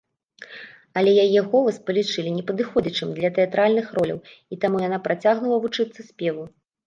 Але яе голас палічылі непадыходзячым для тэатральных роляў, і таму яна працягнула вучыцца спеву.